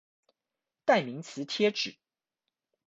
代名詞貼紙